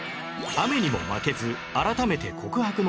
雨にも負けず改めて告白の練習